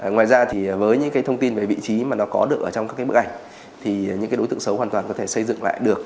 ngoài ra thì với những cái thông tin về vị trí mà nó có được ở trong các cái bức ảnh thì những cái đối tượng xấu hoàn toàn có thể xây dựng lại được